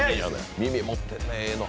耳持ってんね、ええの。